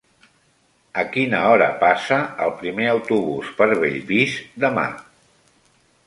A quina hora passa el primer autobús per Bellvís demà?